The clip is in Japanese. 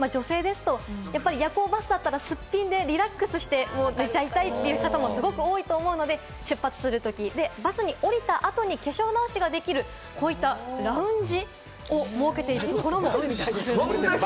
女性ですとやっぱり夜行バスだったら、スッピンでリラックスして寝ちゃいたいって方もすごく多いと思うので、バスを降りた後に化粧直しができる、こういったラウンジを設けているところもあるという。